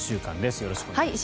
よろしくお願いします。